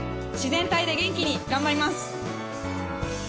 自然体で元気に頑張ります。